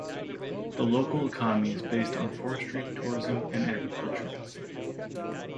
The local economy is based on forestry, tourism, and agriculture.